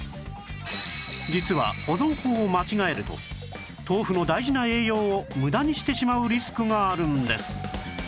実は保存法を間違えると豆腐の大事な栄養を無駄にしてしまうリスクがあるんです